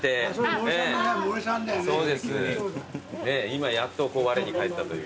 今やっとわれに返ったという。